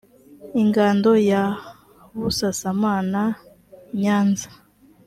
ingando ya busasamana nyanza